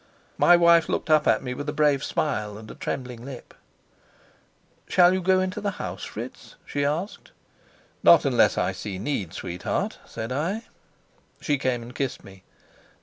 My wife looked up at me with a brave smile and a trembling lip. "Shall you go into the house, Fritz?" she asked. "Not unless I see need, sweetheart," said I. She came and kissed me.